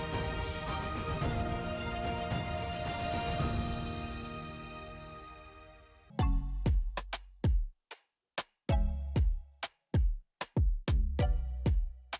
terdapat kebanyakannya di masjid bunda beri dr